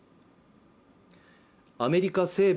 アメリカ西部